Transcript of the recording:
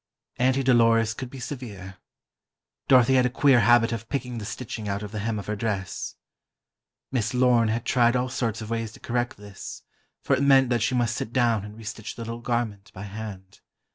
Auntie Dolores could be severe. Dorothy had a queer habit of picking the stitching out of the hem of her dress. Miss Lorne had tried all sorts of ways to correct this, for it meant that she must sit down and restitch the little garment, by hand.